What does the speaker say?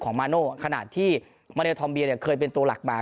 มาโน่ขนาดที่มาเลทอมเบียเนี่ยเคยเป็นตัวหลักมา